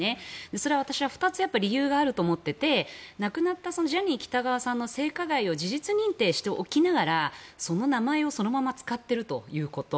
それは私は２つ理由があると思っていて亡くなったジャニー喜多川さんの性加害を事実認定しておきながらその名前をそのまま使っているということ。